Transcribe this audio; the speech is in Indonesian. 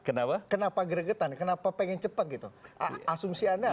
kenapa kenapa gregetan kenapa pengen cepat gitu asumsi anda